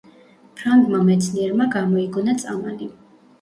ფრანგმა მეცნიერმა გამოიგონა წამალი